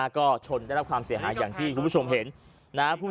ก็ชนได้รับความเสียหายอย่างที่คุณผู้ชมเห็นนะครับ